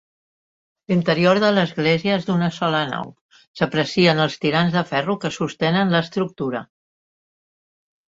L'interior de l'Església és d'una sola nau, s'aprecien els tirants de ferro que sostenen l'estructura.